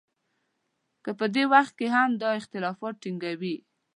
که په دې وخت کې هم دا اختلاف ټینګوي.